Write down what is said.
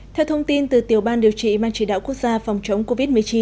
theo thông tin từ tiểu ban điều trị mang chỉ đạo quốc gia phòng chống covid một mươi chín